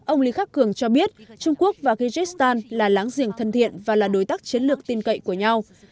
ông lý khắc cường cho biết trung quốc và kyjistan là láng giềng thân thiện và là đối tác chiến lược tin cậy của nhau